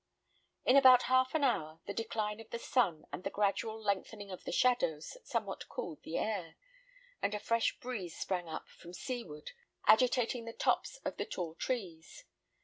In about half an hour, the decline of the sun, and the gradual lengthening of the shadows, somewhat cooled the air, and a fresh breeze sprang up from sea ward, agitating the tops of the tall trees.